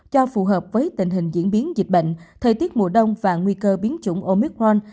cho phù hợp với tình hình diễn biến dịch bệnh thời tiết mùa đông và nguy cơ biến chủng omic ron